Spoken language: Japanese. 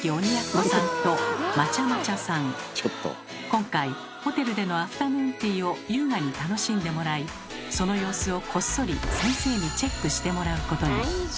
今回ホテルでのアフタヌーンティーを優雅に楽しんでもらいその様子をこっそり先生にチェックしてもらうことに。